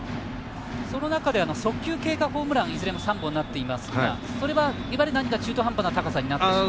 その中で速球系がホームランいずれも３本になっていますがいわゆる中途半端になっていると。